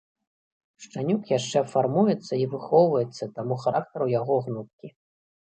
Шчанюк яшчэ фармуецца і выхоўваецца, таму характар у яго гнуткі.